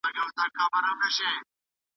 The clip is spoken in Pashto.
ښوونځی د ټولني د غوره راتلونکي لپاره اهمیت لري.